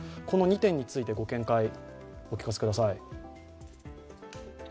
この２点についてご見解をお聞かせください。